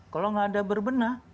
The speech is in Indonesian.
kalau tidak ada berbenah